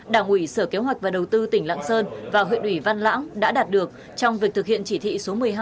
đảng ủy sở kế hoạch và đầu tư tỉnh lạng sơn và huyện ủy văn lãng đã đạt được trong việc thực hiện chỉ thị số một mươi hai